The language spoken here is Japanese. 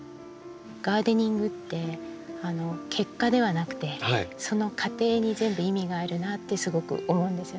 ガーデニングって結果ではなくてその過程に全部意味があるなあってすごく思うんですよね。